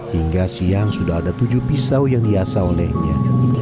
hingga siang sudah ada tujuh pisau yang diasah olehnya